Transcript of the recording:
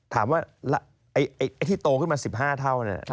ถามว่าไอ้ที่โตขึ้นมา๑๕เท่าเนี่ย